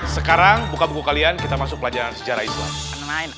sekarang buka buku kalian kita masuk pelajaran sejarah islam